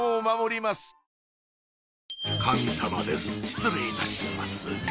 失礼いたします